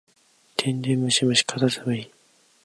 電電ムシムシかたつむり